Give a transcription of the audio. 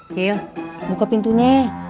cil buka pintunya